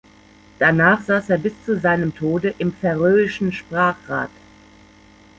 Danach saß er bis zu seinem Tode im färöischen Sprachrat.